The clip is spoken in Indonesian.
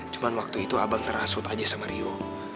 cuman waktu itu abang terasut aja sama rio